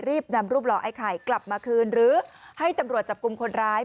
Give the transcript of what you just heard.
รีบนำรูปหล่อไอ้ไข่กลับมาคืนหรือให้ตำรวจจับกลุ่มคนร้าย